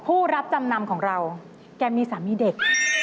ผู้รับจำนำของเราแกมีสามีเด็ก